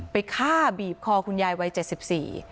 ไปฆ่าบีบคอคุณยายวัยเจ็ดสิบสี่